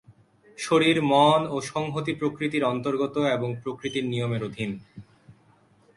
শরীর, মন ও সংহতি প্রকৃতির অন্তর্গত এবং প্রকৃতির নিয়মের অধীন।